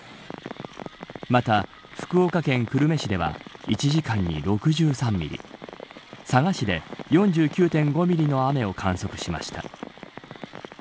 また、福岡県久留米市では１時間に６３ミリ佐賀市で４９．５ミリの雨を観測しました。